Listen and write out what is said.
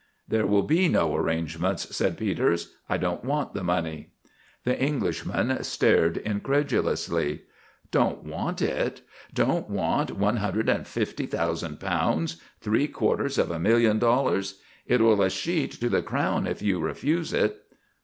"There will be no arrangements," said Peters. "I don't want the money." The Englishman stared incredulously. "Don't want it! Don't want one hundred and fifty thousand pounds, three quarters of a million dollars? It will escheat to the Crown if you refuse it."